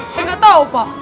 saya gak tau pak